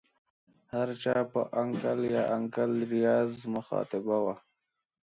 هر چا په انکل یا انکل ریاض مخاطبه وه.